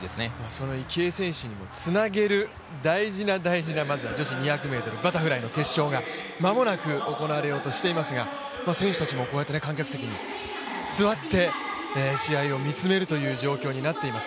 その池江選手にもつなげる大事な大事な女子２００ｍバタフライの決勝が間もなく行われようとしていますが、選手たちも観客席に座って試合を見つめるという状況になっています。